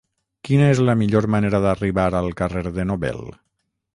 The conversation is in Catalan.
Quina és la millor manera d'arribar al carrer de Nobel?